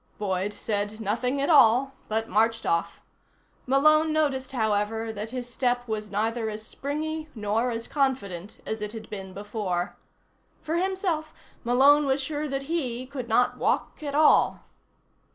Boyd said nothing at all, but marched off. Malone noticed, however, that his step was neither as springy nor as confident as it had been before. For himself, Malone was sure that he could not walk at all.